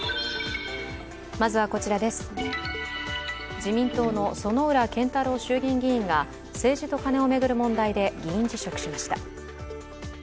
自民党の薗浦健太郎衆院議員が政治とカネを巡る問題で議員辞職しました。